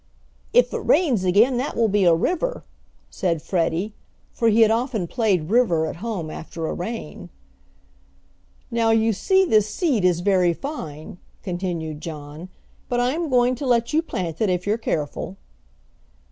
"If it rains again that will be a river," said Freddie, for he had often played river at home after a rain. "Now, you see this seed is very fine," continued John. "But I am going to let you plant it if you're careful."